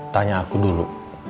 tanya aku dulu